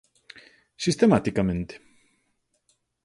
Sistematicamente.